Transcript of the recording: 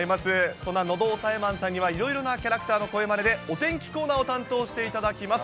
そんな喉押さえマンさんには、いろいろなキャラクターの声まねでお天気コーナーを担当していただきます。